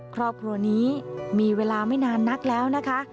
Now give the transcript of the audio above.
ครอบครัวนี้มีเวลาไม่นานนักแล้วนะคะ